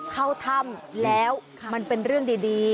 เข้าถ้ำแล้วมันเป็นเรื่องดี